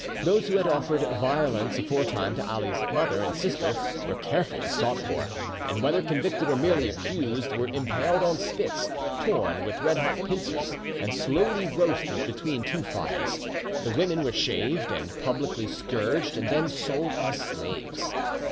Those who had offered violence aforetime to Ali's mother and sister were carefully sought for, and whether convicted or merely accused, were impaled on spits, torn with redhot pincers, and slowly roasted between two fires; the women were shaved and publicly scourged, and then sold as slaves.